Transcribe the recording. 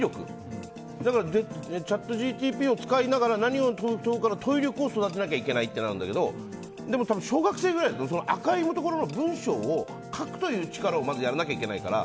だからチャットＧＰＴを使いながら何かを問うかという問い力を育てなきゃいけないっていうんだけど、小学生ぐらいだと赤い部分の文章を書くのをやらなきゃいけないから。